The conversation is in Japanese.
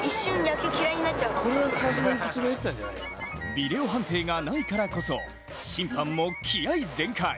ビデオ判定がないからこそ審判も気合い全開！